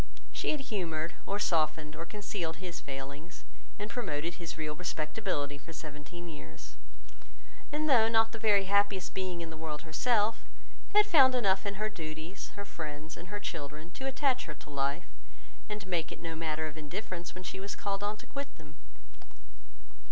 —She had humoured, or softened, or concealed his failings, and promoted his real respectability for seventeen years; and though not the very happiest being in the world herself, had found enough in her duties, her friends, and her children, to attach her to life, and make it no matter of indifference to her when she was called on to quit them.